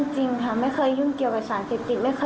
ใช้ยานอนาบยุทยากรมศาสตร์